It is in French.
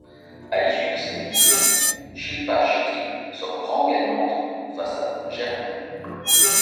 À l'issue de cette émission Shilpa Shetty sort grande gagnante face à Jermaine.